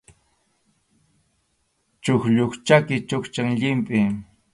Chuqllup chʼaki chukchan llimpʼi.